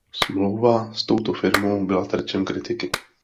Smlouva s touto firmou byla terčem kritiky.